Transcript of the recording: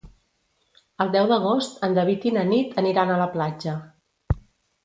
El deu d'agost en David i na Nit aniran a la platja.